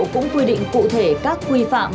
cũng quy định cụ thể các quy phạm